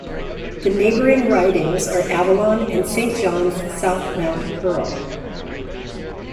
The neighbouring ridings are Avalon and Saint John's South-Mount Pearl.